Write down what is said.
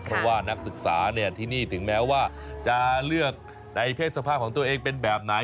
เพราะว่านักศึกษาที่นี่ถึงแม้ว่าจะเลือกในเพศสภาพของตัวเองเป็นแบบไหน